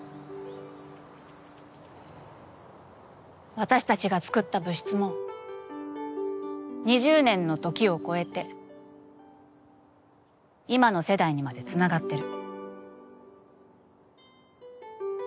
私たちが作った部室も２０年の時を超えて今の世代にまでつながってる。